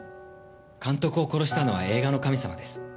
監督を殺したのは映画の神様です。